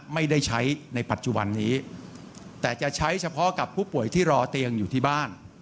ไม่ได้ใช้ในปัจจุบันนี้แต่จะใช้เฉพาะกับผู้ป่วยที่รอเตียงอยู่ที่บ้าน